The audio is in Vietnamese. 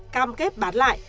cam kép bán lại